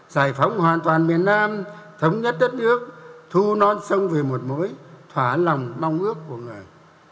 giải phóng hoàn toàn miền nam thống nhất đất nước thu non sông về một mối thỏa lòng mong ước của người